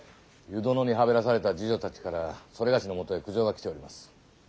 湯殿にはべらされた侍女たちからそれがしのもとへ苦情が来ております。